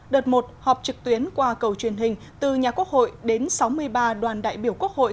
đợt một họp trực tuyến qua cầu truyền hình từ nhà quốc hội đến sáu mươi ba đoàn đại biểu quốc hội